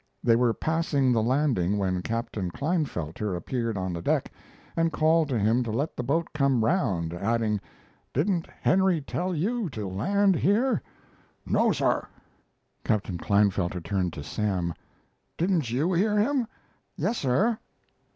They were passing the landing when Captain Klinefelter appeared on deck and called to him to let the boat come around, adding: "Didn't Henry tell you to land here?" "No, sir." Captain. Klinefelter turned to Sam: "Didn't you hear him?" "Yes, sir."